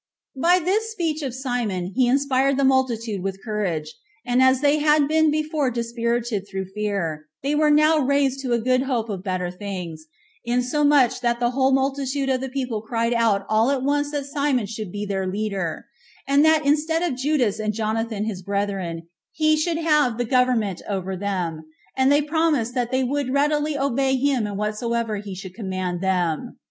4. By this speech of Simon he inspired the multitude with courage; and as they had been before dispirited through fear, they were now raised to a good hope of better things, insomuch that the whole multitude of the people cried out all at once that Simon should be their leader; and that instead of Judas and Jonathan his brethren, he should have the government over them; and they promised that they would readily obey him in whatsoever he should command them.